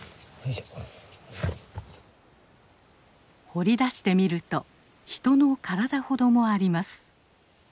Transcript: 掘り出してみると人の体ほどもあります。